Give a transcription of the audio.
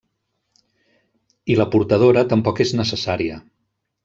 I la portadora tampoc és necessària.